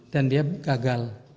dan dia gagal